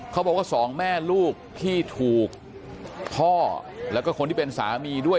เขาบอกว่าสองแม่ลูกที่ถูกพ่อแล้วก็คนที่เป็นสามีด้วย